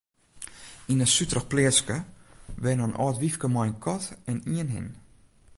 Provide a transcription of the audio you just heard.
Yn in suterich pleatske wenne in âld wyfke mei in kat en ien hin.